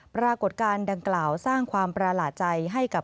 ปรากฏการณ์ดังกล่าวสร้างความประหลาดใจให้กับ